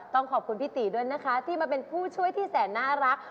ต้องขอบคุณพี่ตีด้วยนะคะที่มาเป็นผู้ช่วยที่แสนน่ารัก